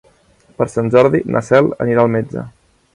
Per Sant Jordi na Cel anirà al metge.